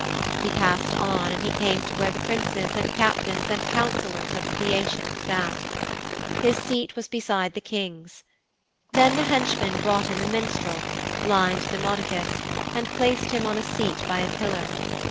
He passed on and he came to where the Princes and Captains and Councillors of the Phæacians sat. His seat was beside the King's. Then the henchman brought in the minstrel, blind Demodocus, and placed him on a seat by a pillar.